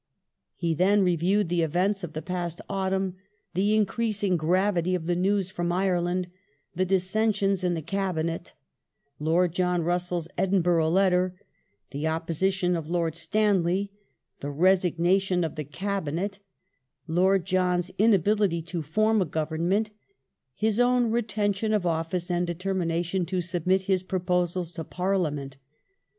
He then reviewed the events of the past autumn ; the increasing gravity of the news from Ireland ; the dissensions in the Cabinet*; Lord John Russell's " Edinburgh Letter "; the opposition of Lord Stanley ; the resignation of the Cabinet ; Lord John's inability to form a Government ; his own retention of office, and determination to submit his proposals to Parliament.